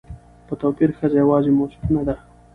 په توپير ښځه يواځې موصوف نه ده